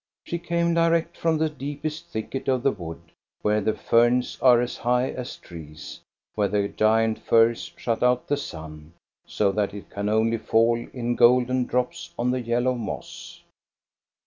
She came direct from the deepest thicket of the wood, where the ferns are as high as trees, where the giant firs shut out the sun, so that it can only fall in golden drops on the yellow moss.